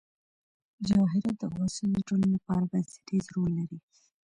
جواهرات د افغانستان د ټولنې لپاره بنسټيز رول لري.